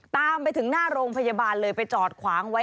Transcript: ตามไปถึงหน้าโรงพยาบาลเลยไปจอดขวางไว้